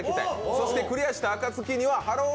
そしてクリアした暁にはＨＥＬＬＯ！